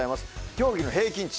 競技の平均値。